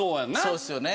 そうですよね？